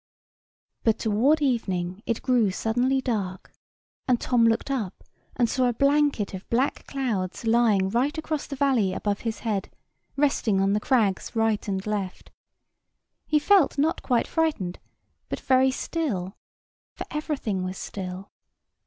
But toward evening it grew suddenly dark, and Tom looked up and saw a blanket of black clouds lying right across the valley above his head, resting on the crags right and left. He felt not quite frightened, but very still; for everything was still.